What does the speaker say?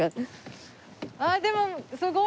あっでもすごい。